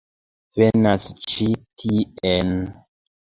Venas ĉi tien!